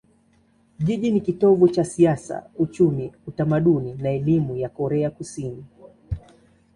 Jiji ni kitovu cha siasa, uchumi, utamaduni na elimu ya Korea Kusini.